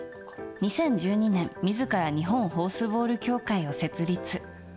２０１２年、自ら日本ホースボール協会を設立。